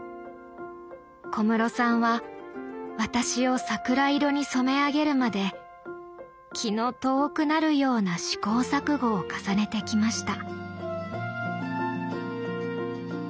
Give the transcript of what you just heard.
小室さんは私を桜色に染め上げるまで気の遠くなるような試行錯誤を重ねてきました。